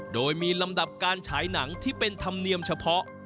โดยมีลำดับการฉายหนังที่เป็นธรรมเนียมเฉพาะ